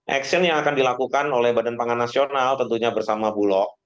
action yang akan dilakukan oleh badan pangan nasional tentunya bersama bulog